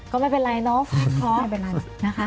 ก็ไม่เป็นไรเนอะค่อยนะคะ